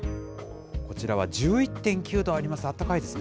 こちらは１１．９度あります、あったかいですね。